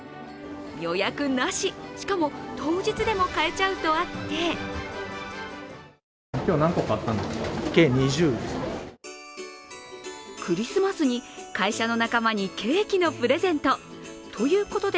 予約なし、しかも当日でも買えちゃうとあってクリスマスに会社の仲間にケーキのプレゼントということで